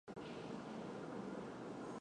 港口规模居湖北省第三位。